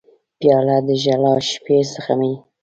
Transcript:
پیاله د ژړا شېبې زغمي.